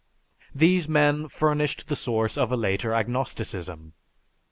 These men furnished the source of a later agnosticism.